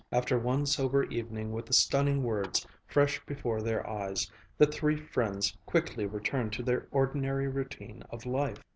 After one sober evening with the stunning words fresh before their eyes, the three friends quickly returned to their ordinary routine of life.